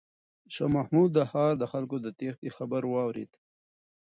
شاه محمود د ښار د خلکو د تیښتې خبر واورېد.